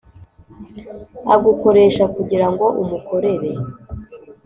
agukoresha kugira ngo umukorere,